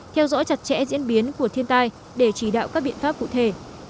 theo dõi chặt chẽ diễn biến của thiên tai để chỉ đạo các biện pháp cụ thể